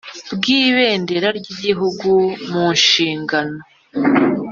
Bw ibendera ry igihugu mu nshingano